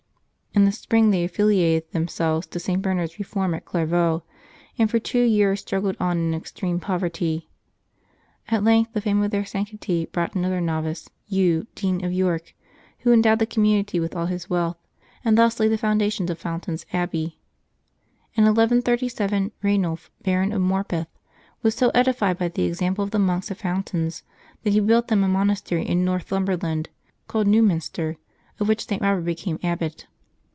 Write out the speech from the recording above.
In the spring they affiliated themselves to St. Bernard's reform at Clairvaux, and for two years struggled on in extreme poverty. At length the fame of their sanctity brought another novice, Hugh, Dean of York, who endowed the community with all his wealth, and thus laid the foundation of Fountains Abbey. In 1137 Eaynulph, Baron of Morpeth, was so edified by the example of the monks at Fountains that he built them a monastery in Northumberland, called ISTew minster, of which St. Robert became abbot.